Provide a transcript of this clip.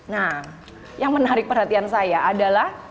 nah yang menarik perhatian saya adalah